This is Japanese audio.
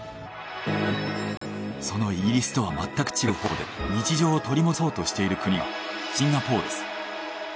そのイギリスとはまったく違う方法で日常を取り戻そうとしている国がシンガポールです。